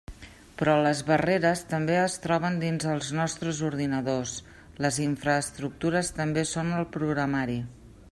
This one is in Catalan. Però les barreres també es troben dins dels nostres ordinadors, les infraestructures també són el programari.